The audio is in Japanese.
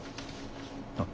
あっ。